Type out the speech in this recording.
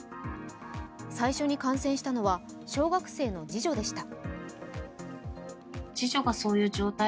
最初に感染したのは小学生の次女でした。